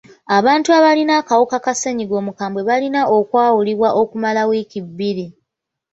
Abantu abayina akawuka ka ssenyiga omukambwe bayina okwawulibwa okumala wiiki bbiri.